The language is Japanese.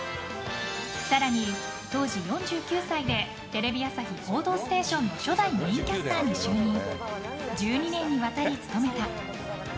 更に、当時４９歳でテレビ朝日「報道ステーション」の初代メインキャスターに就任１２年にわたり務めた。